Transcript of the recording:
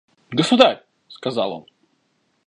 «Государь! – сказал он.